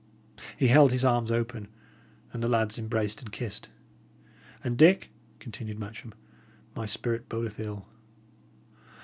He held his arms open, and the lads embraced and kissed. "And, Dick," continued Matcham, "my spirit bodeth ill.